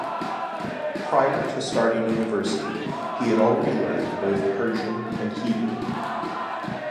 Prior to starting University, he had already learned both Persian and Hebrew.